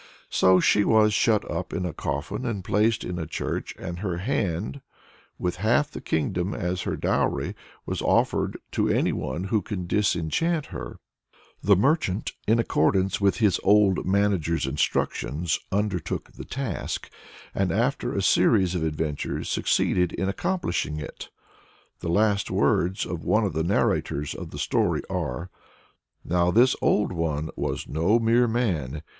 So she was shut up in a coffin and placed in a church, and her hand, with half the kingdom as her dowry, was offered to any one who could disenchant her. The merchant, in accordance with his old manager's instructions, undertook the task, and after a series of adventures succeeded in accomplishing it. The last words of one of the narrators of the story are, "Now this old one was no mere man.